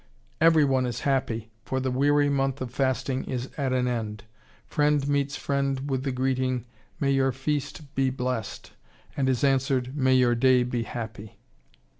Every one is happy, for the weary month of fasting is at an end. Friend meets friend with the greeting, "May your feast be blessed," and is answered, "May your day be happy."